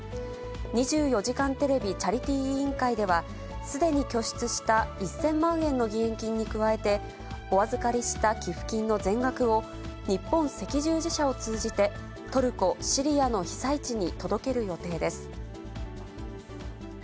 ２４時間テレビチャリティー委員会では、すでに拠出した１０００万円の義援金に加えて、お預かりした寄付金の全額を日本赤十字社を通じてトルコ・シリアの被災地に届ける予定です。